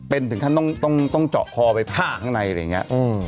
เป็นถึงท่านต้องเจาะคอไปผ่านข้างใน